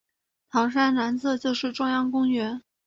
糖山南侧就是中央公园。